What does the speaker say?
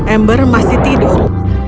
amber masih tidur